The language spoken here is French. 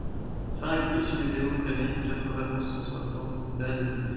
cinq BIS rue des Hauts Fresnais, quatre-vingt-onze, cent soixante, Ballainvilliers